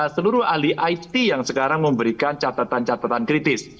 seluruh ahli it yang sekarang memberikan catatan catatan kritis